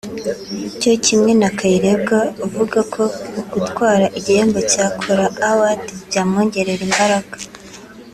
cyo kimwe na Kayirebwa uvuga ko gutwara igihembo cya Kora Award byamwongerera imbaraga